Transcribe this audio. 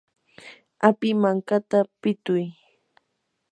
api mankata pituy.